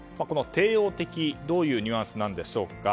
帝王的、どういうニュアンスなんでしょうか。